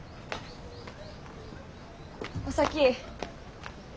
お先。